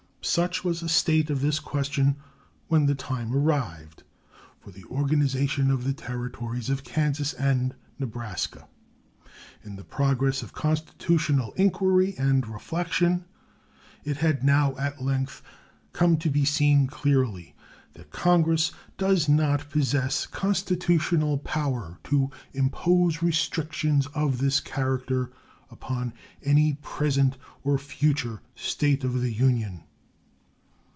Such was the state of this question when the time arrived for the organization of the Territories of Kansas and Nebraska. In the progress of constitutional inquiry and reflection it had now at length come to be seen clearly that Congress does not possess constitutional power to impose restrictions of this character upon any present or future State of the Union.